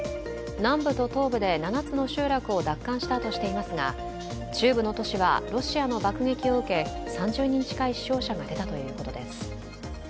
南部と東部で７つの集落を奪還したとしていますが中部の都市はロシアの爆撃を受け、３０人近い死傷者が出たということです。